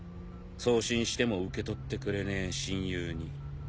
送信しても受け取ってくれねえ親友に。